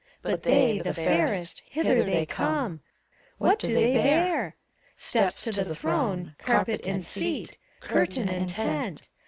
But they, the fairest, Hither they come : What do they bear? Steps to the throne Carpet and seat, Curtain and tent.